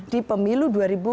di pemilu dua ribu sembilan belas